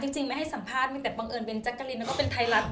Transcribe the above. จริงไม่ให้สัมภาษณ์แต่บังเอิญเป็นจักรินแล้วก็เป็นไทรัศน์ด้วย